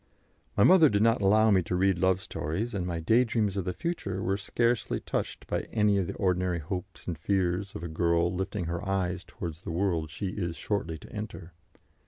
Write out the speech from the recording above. My mother did not allow me to read love stories, and my daydreams of the future were scarcely touched by any of the ordinary hopes and fears of a girl lifting her eyes towards the world she is shortly to enter.